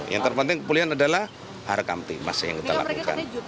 yang terpenting kemuliaan adalah harga kamtipmas yang kita lakukan